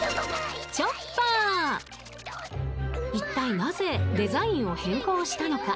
［いったいなぜデザインを変更したのか］